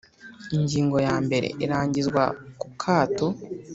Ingingo ya mbere Irangizwa ku kato